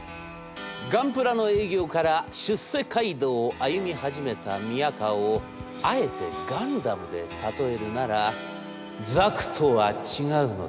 ガンプラの営業から出世街道を歩み始めた宮河をあえてガンダムで例えるなら」